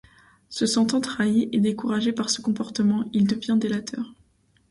Se sentant trahi et découragé par ce comportement, il devient délateur.